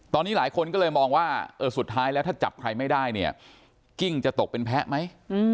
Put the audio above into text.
ตอนนี้หลายคนก็เลยมองว่าเออสุดท้ายแล้วถ้าจับใครไม่ได้เนี่ยกิ้งจะตกเป็นแพ้ไหม